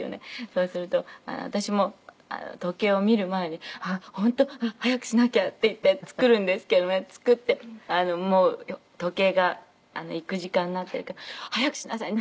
そうすると私も時計を見る前に「本当？早くしなきゃ」って言って作るんですけどもね作ってもう時計が行く時間になってるから「早くしなさい。